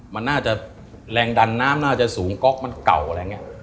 มันน่าจะแรงดันน้ำน่าจะสูงก๊อกมันเก่าอะไรอย่างนี้